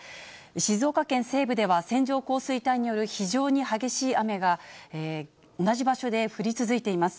静岡県西部では線状降水帯による非常に激しい雨が、同じ場所で降り続いています。